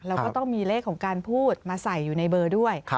แล้วก็ต้องมีเลขของการพูดมาใส่อยู่ในเบอร์ด้วย